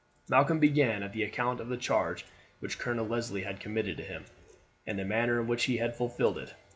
Malcolm began at the account of the charge which Colonel Leslie had committed to him, and the manner in which he had fulfilled it.